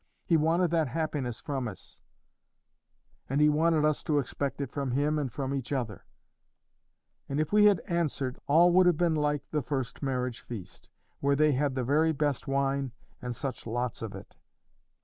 He wanted that happiness from us; and He wanted us to expect it from Him and from each other; and if we had answered, all would have been like the first marriage feast, where they had the very best wine, and such lots of it.